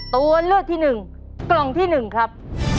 ตัวเลือกที่หนึ่งกล่องที่หนึ่งครับ